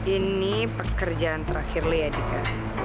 ini pekerjaan terakhir li ya dika